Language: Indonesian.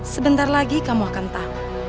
sebentar lagi kamu akan tahu